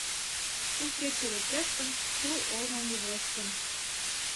У кече лектеш гын, тул олмым ужеш гын